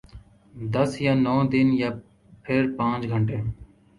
دس یا نو دن یا پھر پانچ گھنٹے؟